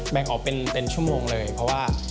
แบ่งออกเป็นชั่วโมงเลยเพราะว่า